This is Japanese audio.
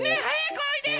はい！